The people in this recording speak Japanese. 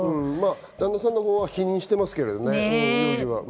旦那さんのほうは容疑を否認してますけどね。